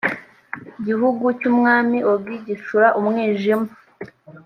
gihugu cy’umwami ogi gicura umwijima